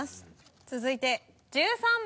続いて１３番。